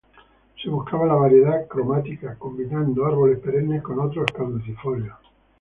Se buscaba la variedad cromática, combinando árboles perennes con otros caducifolios.